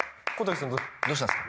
どうしたんですか？